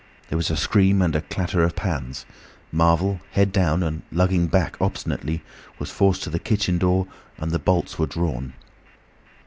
There was a scream and a clatter of pans. Marvel, head down, and lugging back obstinately, was forced to the kitchen door, and the bolts were drawn.